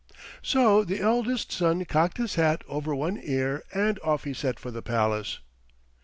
So the eldest son cocked his hat over one ear, and off he set for the palace.